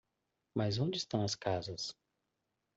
Mas onde estão as casas?